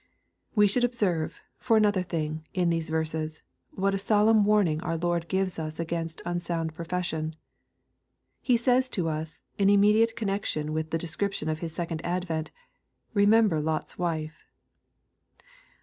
We should observe, for another thing, in these verses, what a solemn warning our Lord gives us against un sound profession. He says to us, in immediate connec tion with the description of His second advent, " Ke member Lot's wife."